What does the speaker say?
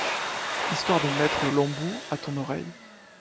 Histoire de mettre l’embout à ton oreille.